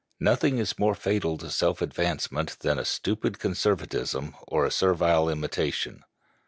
Nothing is more fatal to self advancement than a stupid conservatism or a servile imitation.